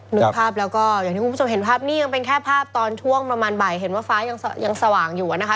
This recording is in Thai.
นึกภาพแล้วก็อย่างที่คุณผู้ชมเห็นภาพนี้ยังเป็นแค่ภาพตอนช่วงประมาณบ่ายเห็นว่าฟ้ายังสว่างอยู่นะคะ